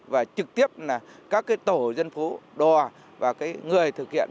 và trực tiếp là các tổ dân phố đò và người thực hiện